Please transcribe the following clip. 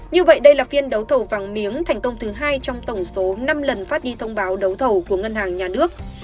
như vậy đây là phiên đấu thầu vàng miếng thành công thứ hai trong tổng số năm lần phát đi thông báo đấu thầu của ngân hàng nhà nước